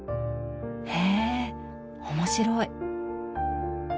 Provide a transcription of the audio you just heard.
へえ面白い！